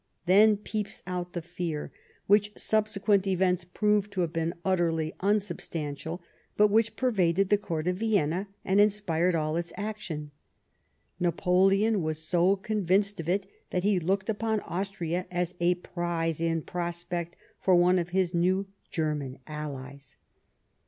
Then peeps out the fear, which subsequent events proved to have been utterly unsubstantial, but which pervaded the Court of Vienna, and inspired all its action :*' Napoleon was so convinced of it that he looked upon Austria as a prize in prospect for one of his new German allies."